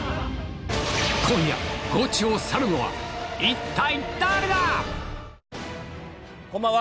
今夜、ゴチを去るのは一体誰こんばんは。